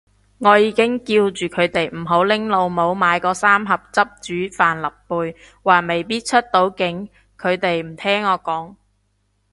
我已經叫住佢哋唔好拎老母買嗰三盒汁煮帆立貝，話未必出到境，佢哋唔聽我講